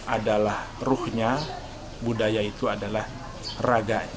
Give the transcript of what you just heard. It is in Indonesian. adalah ruhnya budaya itu adalah raga